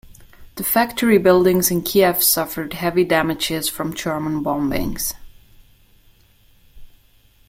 The factory buildings in Kiev suffered heavy damages from German bombings.